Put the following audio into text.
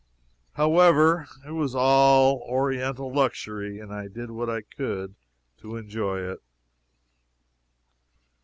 However, it was all Oriental luxury, and I did what I could to enjoy it.